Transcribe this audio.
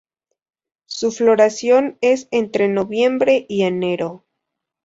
Su floración es entre noviembre y enero.